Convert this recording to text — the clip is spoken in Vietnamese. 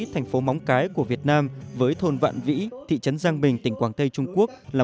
thành phố móng cái của việt nam với thôn vạn vĩ thị trấn giang bình tỉnh quảng tây trung quốc là